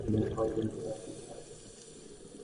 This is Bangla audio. একবার কল করে, কেউ একজনের আওয়াজ শুনেছিলাম।